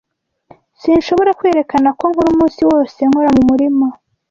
Sinshobora kwerekana ko nkora umunsi wose nkora mu murima.